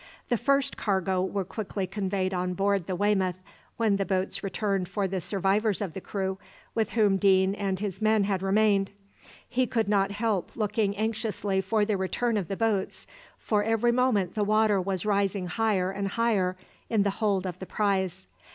The first cargo were quickly conveyed on board the "Weymouth," when the boats returned for the survivors of the crew, with whom Deane and his men had remained. He could not help looking anxiously for the return of the boats, for every moment the water was rising higher and higher in the hold of the prize.